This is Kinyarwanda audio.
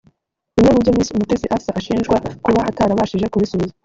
Bimwe mu byo Miss Umutesi Afsa ashinjwa kuba atarabashije kubisubiza